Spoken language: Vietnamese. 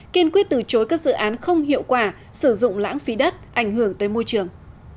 kiên quyết từ chối các dự án không hiệu quả sử dụng lãng phí đất ảnh hưởng tới môi trường